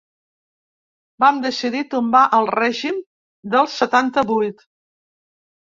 Vam decidir tombar el règim del setanta-vuit.